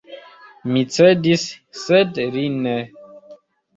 Mi cedis, sed li ne.